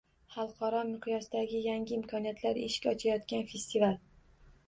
Xalqaro miqyosdagi yangi imkoniyatlarga eshik ochayotgan festival